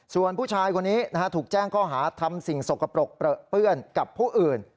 ส่วนผู้ชายคนนี้ถูกแจ้งข้อหาทำสิ่งสกปรกเปลือเปื้อนกับผู้อื่น